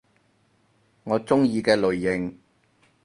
我鍾意嘅類型